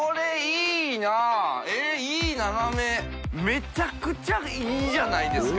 めちゃくちゃいいじゃないですか。